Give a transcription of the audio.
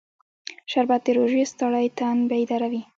شربت د روژې ستړی تن بیداروي